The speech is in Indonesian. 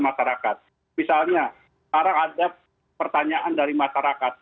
misalnya arah adat pertanyaan dari masyarakat